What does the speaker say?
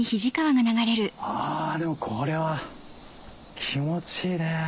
あでもこれは気持ちいいね。